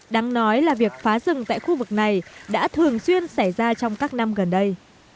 đáng nói là việc phá rừng tại khu vực này đã thường xuyên xảy ra trong các năm gần đây